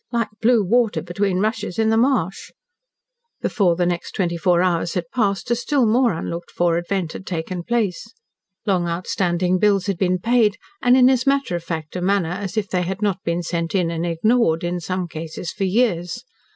Like blue water between rushes in the marsh." Before the next twenty four hours had passed a still more unlooked for event had taken place. Long outstanding bills had been paid, and in as matter of fact manner as if they had not been sent in and ignored, in some cases for years.